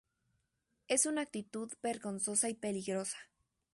Es una actitud vergonzosa y peligrosa.